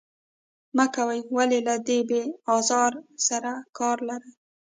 مه کوئ، ولې له دې بې آزار سره کار لرئ.